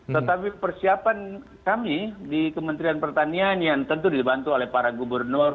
tetapi persiapan kami di kementerian pertanian yang tentu dibantu oleh para gubernur